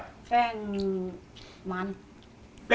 ของคุณยายถ้วน